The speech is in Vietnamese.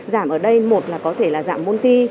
giảm ở đây một là có thể là giảm môn thi